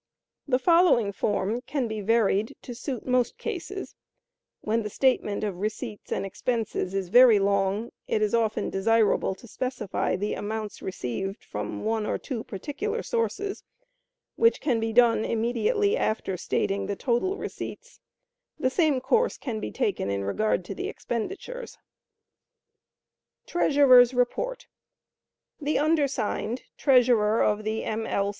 The following form can be varied to suit most cases: (when the statement of receipts and expenses is very long, it is often desirable to specify the amounts received from one or two particular sources, which can be done immediately after stating the total receipts; the same course can be taken in regard to the expenditures): Treasurer's Report. The undersigned, Treasurer of the M. L.